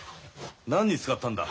何に使ったんだ？